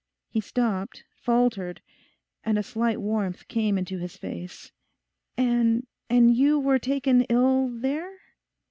He stopped, faltered, and a slight warmth came into his face. 'And and you were taken ill there?